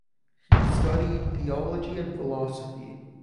He studied theology and philosophy.